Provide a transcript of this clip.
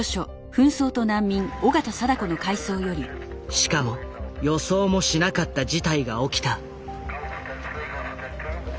しかも予想もしなかった事態が起きた。